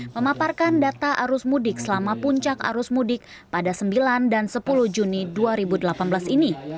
memaparkan data arus mudik selama puncak arus mudik pada sembilan dan sepuluh juni dua ribu delapan belas ini